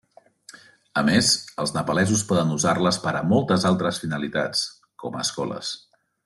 A més, els nepalesos poden usar-les per a moltes altres finalitats, com escoles.